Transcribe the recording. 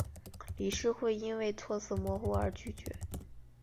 理事会因为措辞模糊而拒绝。